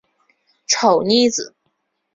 丑妮子。